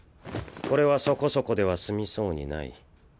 これはそこそこでは済みそうにない。